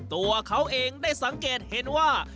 ตัวเขาเองได้สังเกตเห็นว่า